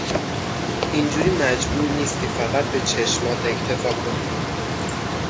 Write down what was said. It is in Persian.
اینجوری مجبور نیستی فقط به چشمات اکتفا کنی